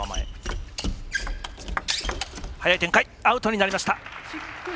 アウトになりました。